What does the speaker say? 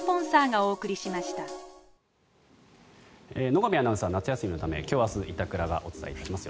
野上アナウンサー夏休みのため今日明日は板倉がお伝えします。